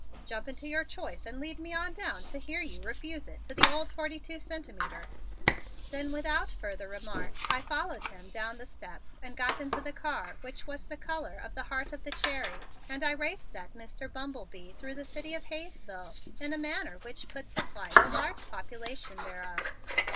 "Jump into your choice and lead me on down to hear you refuse it to old Forty Two Centimeter." Then without further remark, I followed him down the steps and got into that car which was the color of the heart of the cherry and I raced that Mr. Bumble Bee through the city of Hayesville in a manner which put to flight a large population thereof.